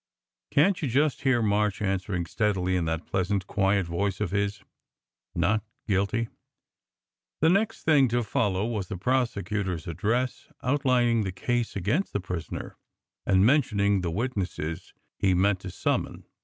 Can t you just hear March answering steadily in that pleasant, quiet voice of his : Not guilty ! The next thing to follow was the prosecutor s address, outlining the case against the prisoner, and mentioning the witnesses he SECRET HISTORY 171 meant to summon.